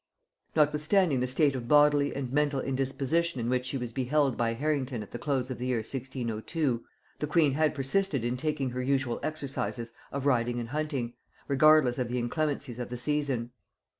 Notwithstanding the state of bodily and mental indisposition in which she was beheld by Harrington at the close of the year 1602, the queen had persisted in taking her usual exercises of riding and hunting, regardless of the inclemencies of the season.